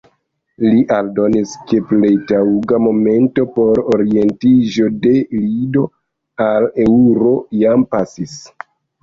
Li aldonis, ke plej taŭga momento por orientiĝo de lido al eŭro jam pasis.